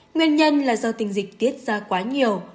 nguyên nhân là do tình dịch tiết ra quá nhiều